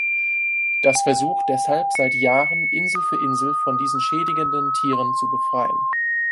Das versucht deshalb seit Jahren Insel für Insel von diesen schädigenden Tieren zu befreien.